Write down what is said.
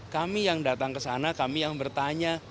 kami yang datang ke sana kami yang bertanya